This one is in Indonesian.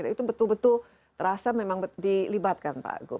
itu betul betul terasa memang dilibatkan pak